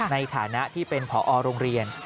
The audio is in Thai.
ในฐานะที่เป็นผอโรงเรียน